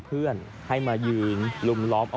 เพื่อนพี่ทำพี่ก็แค่ขอโทษอ่ะ